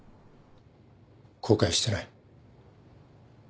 後悔してない。